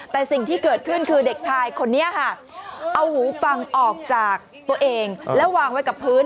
แต่สิ่งที่เกิดขึ้นคือเด็กชายคนนี้ค่ะเอาหูฟังออกจากตัวเองแล้ววางไว้กับพื้น